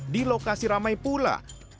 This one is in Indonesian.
di lokasi ramai pula